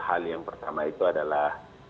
hal yang pertama itu adalah